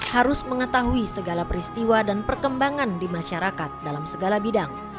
harus mengetahui segala peristiwa dan perkembangan di masyarakat dalam segala bidang